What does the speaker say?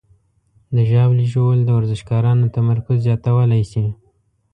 د ژاولې ژوول د ورزشکارانو تمرکز زیاتولی شي.